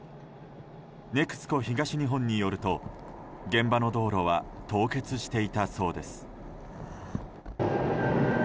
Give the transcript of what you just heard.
ＮＥＸＣＯ東日本によると現場の道路は凍結していたそうです。